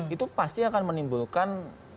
itu pasti akan menimbulkan